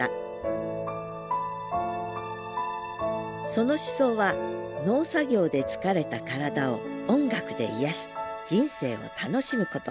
その思想は農作業で疲れた体を音楽で癒やし人生を楽しむこと。